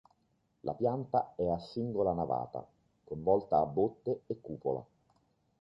La pianta è a singola navata, con volta a botte e cupola.